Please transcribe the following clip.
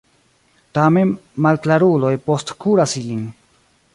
Tamen, malklaruloj postkuras ilin.